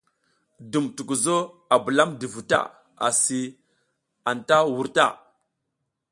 Dum tukuzo a bulamdi vu ta asi a anta wur.